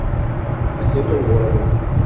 À quelle heure ouvre la banque ?